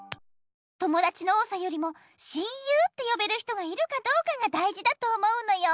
ともだちの多さよりも親友ってよべる人がいるかどうかがだいじだと思うのよ。